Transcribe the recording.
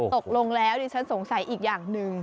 ตกลงแล้วดิฉันสงสัยอีกอย่างหนึ่ง